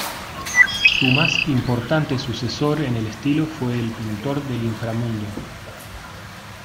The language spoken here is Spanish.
Su más importante sucesor en el estilo fue el Pintor del Inframundo.